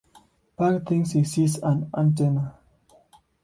Pugh thinks he sees an antenna.